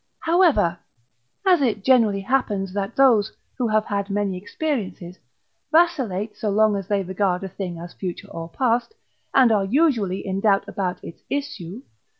However, as it generally happens that those, who have had many experiences, vacillate, so long as they regard a thing as future or past, and are usually in doubt about its issue (II.